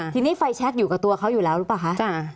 ทีนี้ไฟแชคอยู่กับตัวเขาอยู่แล้วหรือเปล่าคะ